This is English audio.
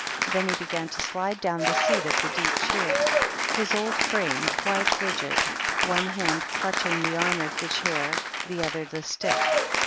Then he began to slide down the seat of the deep chair, his old frame quite rigid, one hand clutching the arm of the chair, the other the stick.